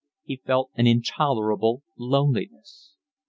He felt an intolerable loneliness.